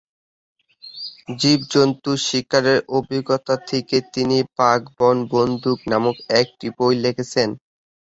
জীবজন্তু শিকারের অভিজ্ঞতা থেকে তিনি "বাঘ-বন-বন্দুক"' নামক একটি বই লেখেন।